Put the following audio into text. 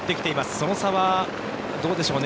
その差はどうでしょう。